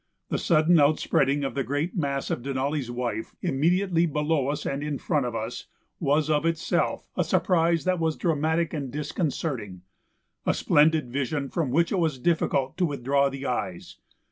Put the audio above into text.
The sudden outspreading of the great mass of Denali's Wife immediately below us and in front of us was of itself a surprise that was dramatic and disconcerting; a splendid vision from which it was difficult to withdraw the eyes.